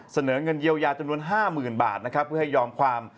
เสนอเงินเยียวยาจำนวน๕๐๐๐๐บาทเพื่อยอมความ